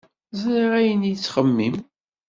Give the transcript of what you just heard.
Ẓriɣ ayen ay tettxemmim.